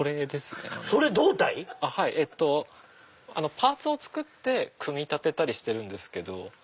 パーツを作って組み立てたりしてるんですけど。